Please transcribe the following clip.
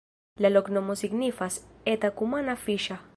La loknomo signifas: eta-kumana-fiŝa.